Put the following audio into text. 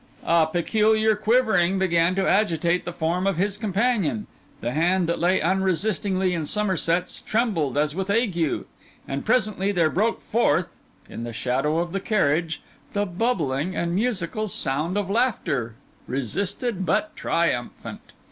A peculiar quivering began to agitate the form of his companion; the hand that lay unresistingly in Somerset's trembled as with ague; and presently there broke forth, in the shadow of the carriage, the bubbling and musical sound of laughter, resisted but triumphant.